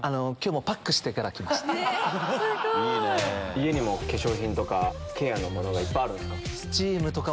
家に化粧品とかケアのものいっぱいあるんですか？